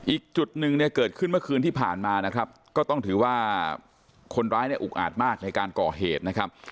อีกจุดหนึ่งเนี่ยเกิดขึ้นเมื่อคืนที่ผ่านมานะครับก็ต้องถือว่าคนร้ายเนี่ยอุกอาจมากในการก่อเหตุนะครับ